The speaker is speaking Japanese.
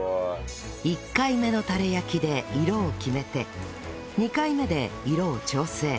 １回目のタレ焼きで色を決めて２回目で色を調整